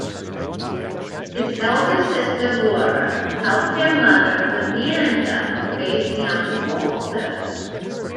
His elder sister, Laura, helped their mother, Amanda, raise young Walter.